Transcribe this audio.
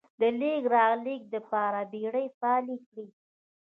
د لېږد رالېږد لپاره بېړۍ فعالې کړې.